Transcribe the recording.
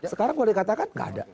sekarang boleh dikatakan nggak ada